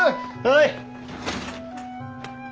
はい！